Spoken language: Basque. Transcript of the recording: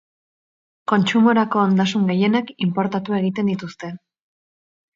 Kontsumorako ondasun gehienak inportatu egiten dituzte.